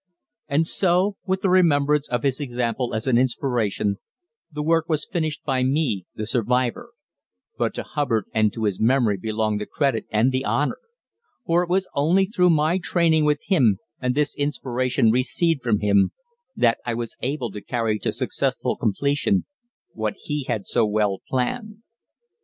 And so with the remembrance of his example as an inspiration the work was finished by me, the survivor, but to Hubbard and to his memory belong the credit and the honour, for it was only through my training with him and this inspiration received from him that I was able to carry to successful completion what he had so well planned.